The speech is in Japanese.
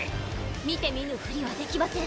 見て見ぬふりはできません